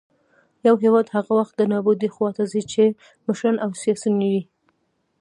يـو هـېواد هـغه وخـت د نـابـودۍ خـواتـه ځـي ،چـې مـشران او سـياسيون يـې